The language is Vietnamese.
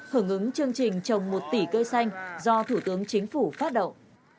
hưởng ứng chương trình trồng một tỷ cây xanh do thủ tướng chính phủ phát động